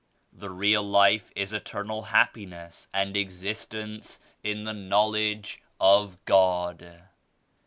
The real life is eternal happiness and existence in the Knowledge of God."